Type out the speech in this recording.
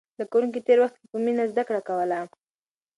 زده کوونکي تېر وخت کې په مینه زده کړه کوله.